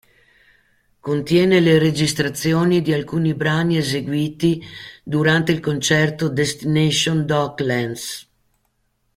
Contiene le registrazioni di alcuni brani eseguiti durante il concerto Destination Docklands.